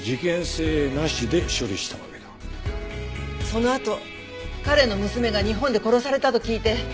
そのあと彼の娘が日本で殺されたと聞いて。